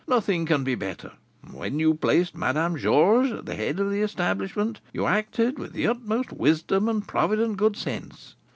Nothing can be better; and when you placed Madame Georges at the head of the establishment, you acted with the utmost wisdom and provident good sense.